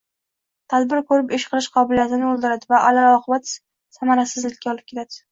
tadbir ko‘rib ish qilish qobiliyatini o‘ldiradi va alal-oqibat samarasizlikka olib keladi.